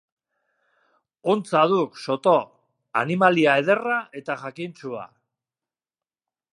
Hontza duk, Soto, animalia ederra eta jakintsua.